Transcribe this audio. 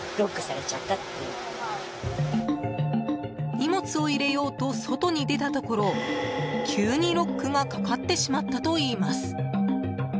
荷物を入れようと外に出たところ急にロックがかかってしまったといいます。